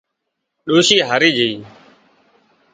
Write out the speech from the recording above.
ڏوشِي هاري جھئي